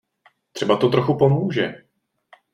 Třeba to trochu pomůže.